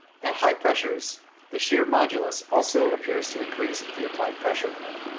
At high pressures, the shear modulus also appears to increase with the applied pressure.